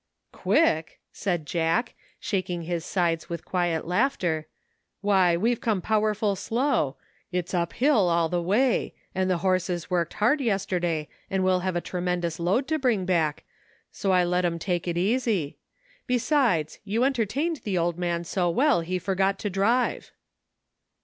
" Quick !" said Jack, shaking his sides with quiet laughter, " why, we've come powerful slow ; it's up hill all the way, and the horses worked hard yesterday and will have a tremen dous load to bring back, so I let 'em take it easy ; besides, you entertained the old man 90 well he forgot to drive."